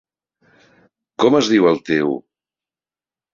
Com es diu el teu...?